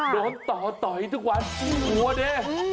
โดนต่อต่อยทุกวันหัวเนี่ย